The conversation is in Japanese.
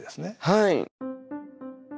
はい。